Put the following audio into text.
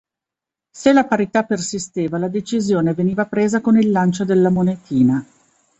Se la parità persisteva la decisione veniva presa con il lancio della monetina.